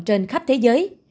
trên khắp thế giới